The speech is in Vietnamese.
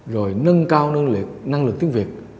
rồi nâng cao năng lực tiếng việt